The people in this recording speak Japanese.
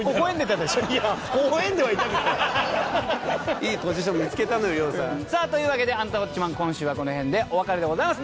いいポジション見つけたのよ亮さん。さあというわけで『アンタウォッチマン』今週はこの辺でお別れでございます。